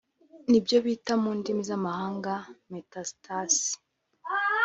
nibyo bita mu ndimi z’amahanga metastases